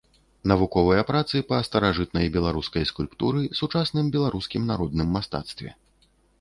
Навуковыя працы па старажытнай беларускай скульптуры, сучасным беларускім народным мастацтве.